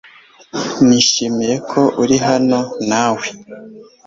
Nishimiye ko uri hano nawe.